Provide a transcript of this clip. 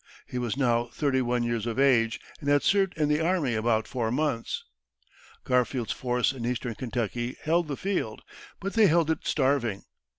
He was now thirty one years of age, and had served in the army about four months. Garfield's force in Eastern Kentucky held the field, but they held it starving.